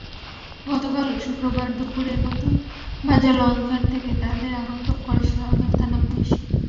গতকাল শুক্রবার দুপুরে নতুন বাজার লঞ্চঘাট থেকে তাঁদের আটক করে সদর থানা-পুলিশ।